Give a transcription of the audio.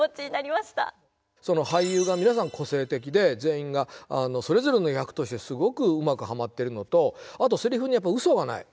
俳優が皆さん個性的で全員がそれぞれの役としてすごくうまくハマってるのとあとせりふにやっぱうそはない。